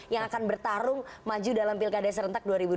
yang akan bertarung maju dalam pilkada serentak dua ribu dua puluh